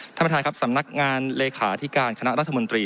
ท่านประธานครับสำนักงานเลขาธิการคณะรัฐมนตรี